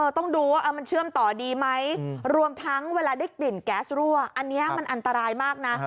ต้องดูว่ามันเชื่อมต่อดีไหมรวมทั้งเวลาได้กลิ่นแก๊สรั่วอันนี้มันอันตรายมากนะ